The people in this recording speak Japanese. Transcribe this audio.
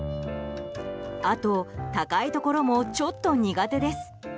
あと、高いところもちょっと苦手です。